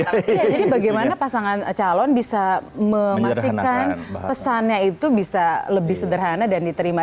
jadi bagaimana pasangan calon bisa memastikan pesannya itu bisa lebih sederhana dan diterima